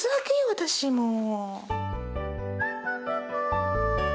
私もう。